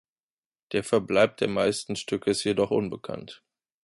Der Verbleib der meisten Stücke ist jedoch unbekannt.